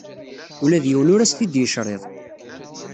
Ula d yiwen ur as-t-id-yecriḍ.